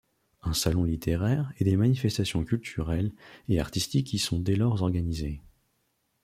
Un salon littéraire et des manifestations culturelles et artistiques y sont dès lors organisés.